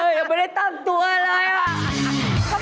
เฮ้ยยังไม่ได้ตั้งตัวอะไรอ่ะ